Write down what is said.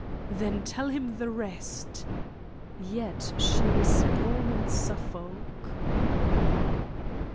"Then tell him the rest!". (Yet she was born in Suffolk.)